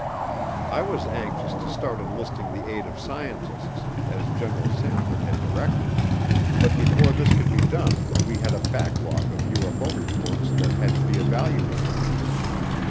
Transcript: I was anxious to start enlisting the aid of scientists, as General Samford had directed, but before this could be done we had a backlog of UFO reports that had to be evaluated.